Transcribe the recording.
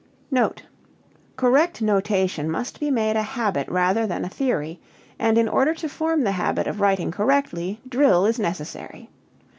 5.] Note. Correct notation must be made a habit rather than a theory, and in order to form the habit of writing correctly, drill is necessary.